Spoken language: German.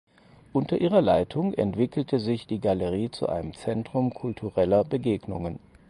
Unter ihrer Leitung entwickelte sich die Galerie zu einem Zentrum kultureller Begegnungen.